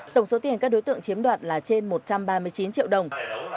tổng số tiền các đối tượng chiếm đoạt là trên một trăm ba mươi chín triệu đồng